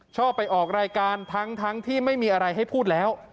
ชอบไปออกรายการทั้งที่ไม่มีอะไรให้พูดแล้ว